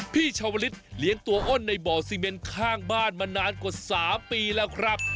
พี่ชาวลิศเลี้ยงตัวอ้นในบ่อซีเมนข้างบ้านมานานกว่า๓ปีแล้วครับ